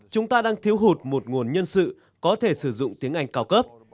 chúng ta đang thiếu hụt một nguồn nhân sự có thể sử dụng tiếng anh cao cấp